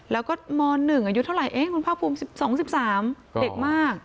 แล้วก็ม๑อายุเท่าไหร่คุณภาคภูมิสิบสองสิบสามเด็กมาก